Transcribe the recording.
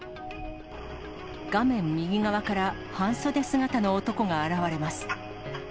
画面右側から半袖姿の男が現れます。